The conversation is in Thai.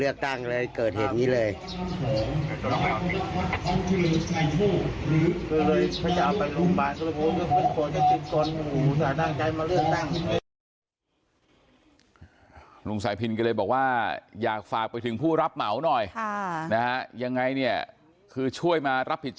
คือช่วยมารับผิดชอบอยู่แล้วจึงไปตั้งเชิดของตัวไว้ที่ไหนนะฮะ